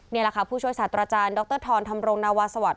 นี่แหละค่ะผู้ช่วยศาสตราจารย์ดรธรธรรมรงนาวาสวัสด